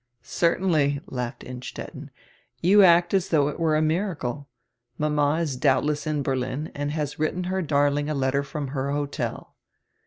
"Certainly," laughed Innstetten. "You act as though it were a miracle. Mama is doubtless in Berlin and has written her darling a letter from her hotel."